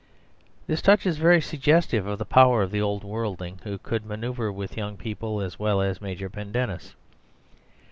This touch is very suggestive of the power of the old worldling, who could manoeuvre with young people as well as Major Pendennis.